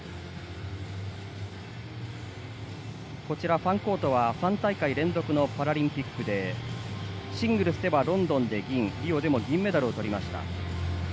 ファンコートは３大会連続のパラリンピックでシングルスではロンドンで銀リオでも銀メダルをとりました。